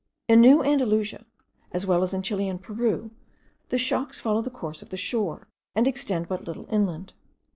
In New Andalusia, as well as in Chile and Peru, the shocks follow the course of the shore, and extend but little inland.